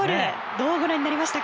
どうご覧になりました？